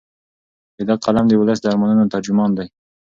د ده قلم د ولس د ارمانونو ترجمان دی.